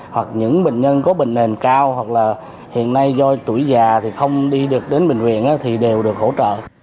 hoặc những bệnh nhân có bệnh nền cao hoặc là hiện nay do tuổi già thì không đi được đến bệnh viện thì đều được hỗ trợ